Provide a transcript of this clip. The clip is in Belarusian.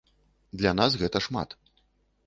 Для нас гэта шмат.